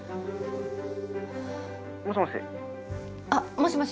もしもし？